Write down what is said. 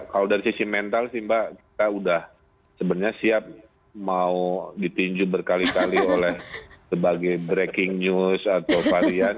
kalau dari sisi mental sih mbak kita udah sebenarnya siap mau ditinju berkali kali oleh sebagai breaking news atau varian